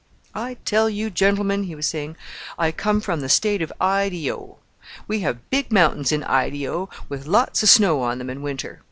"I tell you, gentlemen," he was saying, "I come from the State of I dee ho. We have big mountains in I dee ho, with lots of snow on them in winter.